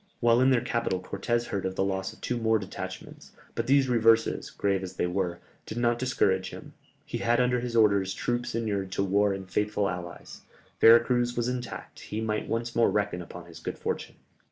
While in their capital Cortès heard of the loss of two more detachments, but these reverses, grave as they were, did not discourage him; he had under his orders troops inured to war and faithful allies, Vera Cruz was intact, he might once more reckon upon his good fortune.